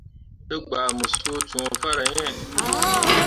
Te bah mu suu cõo farah hii.